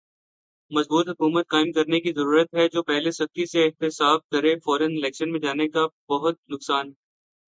مضبوط حکومت قائم کرنے کی ضرورت ہے۔۔جو پہلے سختی سے احتساب کرے۔۔فورا الیکشن میں جانے کا بہت نقصان ہے۔۔